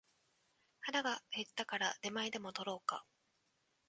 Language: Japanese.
腹が減ったから出前でも取ろうか